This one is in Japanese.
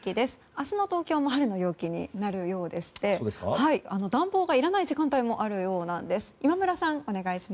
明日の東京も春の陽気になるようでして暖房が、いらない時間帯もあるようなんです。